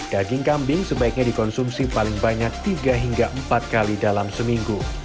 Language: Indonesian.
daging kambing sebaiknya dikonsumsi paling banyak tiga hingga empat kali dalam seminggu